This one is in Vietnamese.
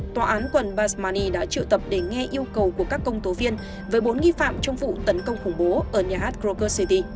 tòa án quần basmani đã trự tập để nghe yêu cầu của các công tố viên với bốn nghi phạm trong vụ tấn công khủng bố ở nhà hát kroger city